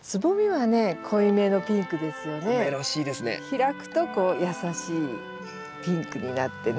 開くとこう優しいピンクになってね。